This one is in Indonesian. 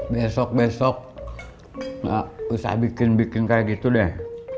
besok besok nggak usah bikin bikin kayak gitu deh